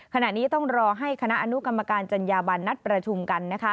ขณะนี้ต้องรอให้คณะอนุกรรมการจัญญาบันนัดประชุมกัน